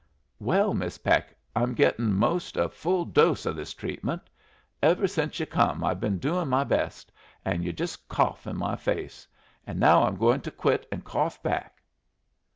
"Well, Miss Peck, I'm gettin' most a full dose o' this treatment. Ever since yu' come I've been doing my best. And yu' just cough in my face. And now I'm going to quit and cough back."